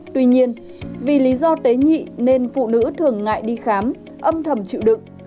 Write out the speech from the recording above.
tuy nhiên vì lý do tế nhị nên phụ nữ thường ngại đi khám âm thầm chịu đựng